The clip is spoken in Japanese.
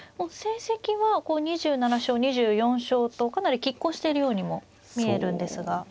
成績は２７勝２４勝とかなりきっ抗しているようにも見えるんですが。